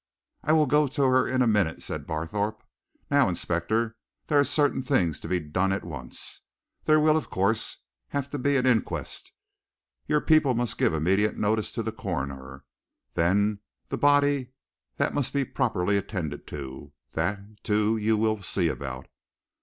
"I will go to her in a minute," said Barthorpe. "Now, inspector, there are certain things to be done at once. There will, of course, have to be an inquest your people must give immediate notice to the coroner. Then the body that must be properly attended to that, too, you will see about.